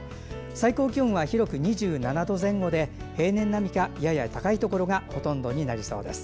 最高気温は広く２７度前後で平年並みか、やや高いところがほとんどになりそうです。